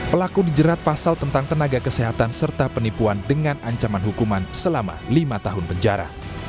pelaku dijerat pasal tentang tenaga kesehatan serta penipuan dengan ancaman hukuman selama lima tahun penjara